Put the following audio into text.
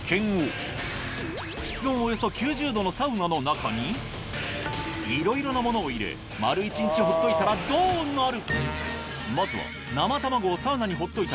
およそ９０℃のサウナの中にいろいろなものを入れ丸一日ほっといたらどうなる？